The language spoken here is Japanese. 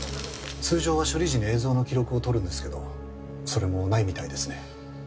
通常は処理時に映像の記録をとるんですけどそれもないみたいですね。